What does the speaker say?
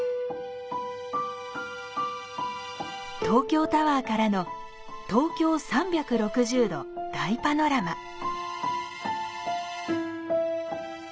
東京タワーからの東京３６０°大パノラマ。